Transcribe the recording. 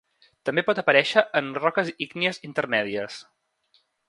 També pot aparèixer en roques ígnies intermèdies.